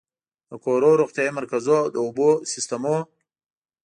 د کورونو، روغتيايي مرکزونو، د اوبو سيستمونو